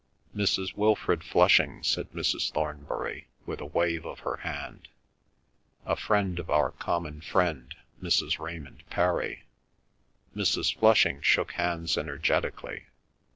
"Mrs. Wilfrid Flushing," said Mrs. Thornbury, with a wave of her hand. "A friend of our common friend Mrs. Raymond Parry." Mrs. Flushing shook hands energetically.